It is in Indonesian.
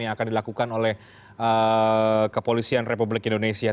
yang akan dilakukan oleh kepolisian republik indonesia